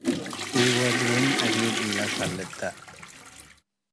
ኢወድ'ወን አጊድ ኢለአሰልጠ።